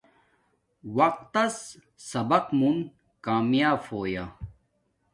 وقت تس سبق مون کامیاپ ہو یا